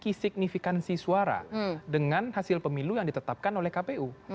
ada signifikansi suara dengan hasil pemilu yang ditetapkan oleh kpu